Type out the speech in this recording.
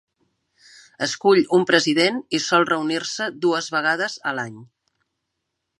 Escull un president i sol reunir-se dues vegades al any.